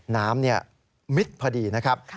น้ำมิดพอดีนะครับ